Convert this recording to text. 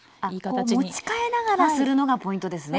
こう持ち替えながらするのがポイントですね。